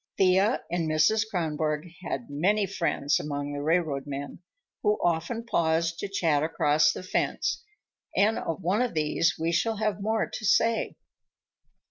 Thea and Mrs. Kronborg had many friends among the railroad men, who often paused to chat across the fence, and of one of these we shall have more to say.